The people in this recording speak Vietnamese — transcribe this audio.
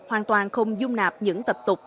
hoàn toàn không dung nạp những tập tục